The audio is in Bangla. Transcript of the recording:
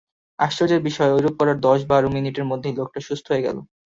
আশ্চর্যের বিষয়, ঐরূপ করার দশ-বার মিনিটের মধ্যেই লোকটা সুস্থ হয়ে গেল।